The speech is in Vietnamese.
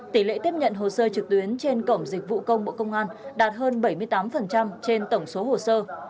tỷ lệ tiếp nhận hồ sơ trực tuyến trên cổng dịch vụ công bộ công an đạt hơn bảy mươi tám trên tổng số hồ sơ